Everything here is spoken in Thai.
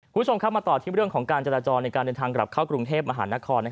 คุณผู้ชมครับมาต่อที่เรื่องของการจราจรในการเดินทางกลับเข้ากรุงเทพมหานคร